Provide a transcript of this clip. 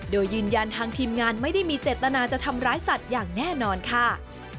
โดยยืนยันทางทีมงานไม่ได้มีเจตนาจะทำร้ายสัตว์อย่างแน่นอนค่ะ